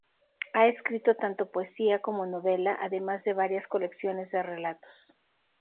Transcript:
Ha escrito tanto poesía como novela, además de varias colecciones de relatos.